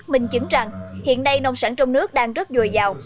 minh chứng rằng hiện nay nông sản trong nước đang rất dồi dào